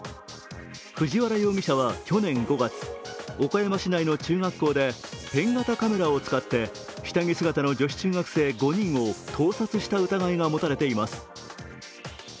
藤原容疑者は去年５月、岡山市内の中学校でペン型カメラを使って下着姿の女子中学生５人を盗撮した疑いが持たれています。